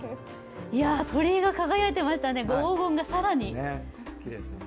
鳥居が輝いていましたね、黄金が更に。